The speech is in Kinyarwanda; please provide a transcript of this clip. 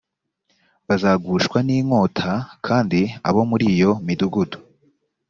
bazagushwa n inkota kandi abo muri iyo midugudu